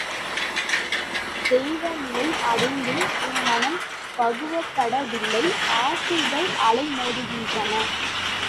தெய்வ நிலை அடைந்தும் உம் மனம் பக்குவப்பட வில்லை, ஆசைகள் அலை மோதுகின்றன.